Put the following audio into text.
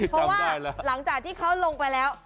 เพราะว่าหลังจากที่เขาลงไปแล้ว